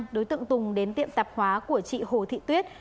đối tượng tùng đến tiệm tạp hóa của chị hồ thị tuyết